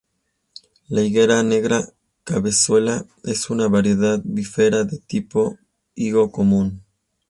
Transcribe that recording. La higuera 'Negra Cabezuela' es una variedad "bífera" de tipo higo común.